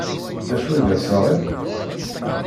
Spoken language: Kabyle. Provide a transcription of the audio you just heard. D acu i d assaɣir?